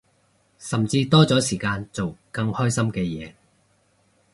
甚至多咗時間做更開心嘅嘢